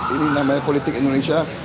ini namanya politik indonesia